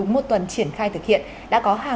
bên lai thu lệ phí